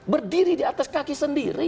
berdiri di atas kaki sendiri